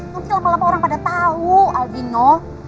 nanti lama lama orang pada tahu alvino